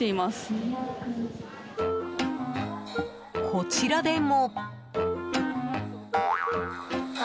こちらでも。